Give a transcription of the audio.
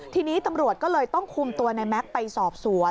ทีนี้ตำรวจก็เลยต้องคุมตัวในแม็กซ์ไปสอบสวน